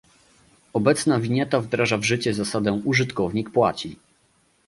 Obecna winieta wdraża w życie zasadę "użytkownik płaci"